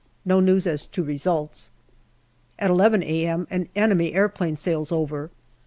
No news as to results. At ii a.m. an enemy aeroplane sails over.